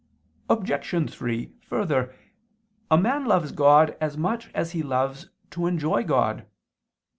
Obj. 3: Further, a man loves God as much as he loves to enjoy God.